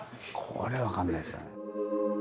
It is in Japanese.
これはわかんないですね。